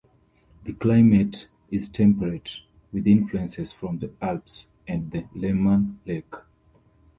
The climate is temperate with influences from the Alps and the Leman Lake.